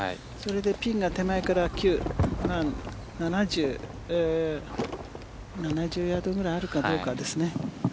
それでピンが手前から９７０ヤードぐらいあるかどうかですね。